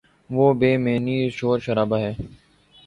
وہ بے معنی شور شرابہ ہے۔